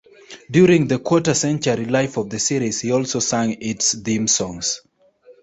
During the quarter-century life of the series, he also sang its theme songs.